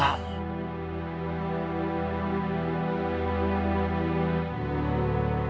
dia sudah berhasil menemukan alam tempat ini